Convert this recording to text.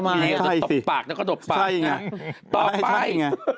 มาบีปากต่อปากต่อไป